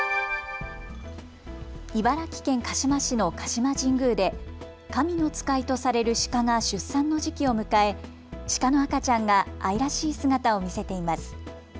茨城県鹿嶋市の鹿島神宮で神の使いとされるシカが出産の時期を迎えシカの赤ちゃんが愛らしい姿を見せています。